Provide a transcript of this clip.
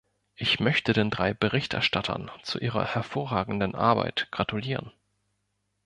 Ich möchte den drei Berichterstattern zu ihrer hervorragenden Arbeit gratulieren.